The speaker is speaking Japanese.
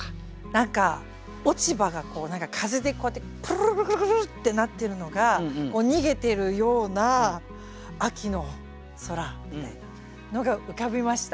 何か落ち葉が風でこうやってプルルルルッってなってるのが逃げてるような秋の空みたいなのが浮かびました。